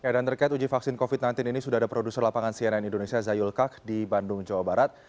dan terkait uji vaksin covid sembilan belas ini sudah ada produser lapangan cnn indonesia zayul kak di bandung jawa barat